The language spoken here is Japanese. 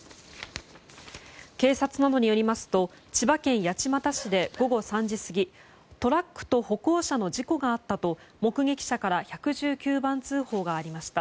警察などによりますと千葉県八街市で午後３時過ぎトラックと歩行者の事故があったと、目撃者から１１９番通報がありました。